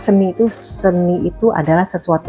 seni itu seni itu adalah sesuatu